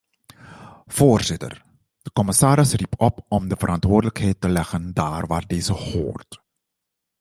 Voorzitter, de commissaris riep op om de verantwoordelijkheid te leggen daar waar deze hoort.